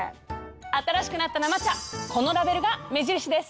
新しくなった生茶このラベルが目印です！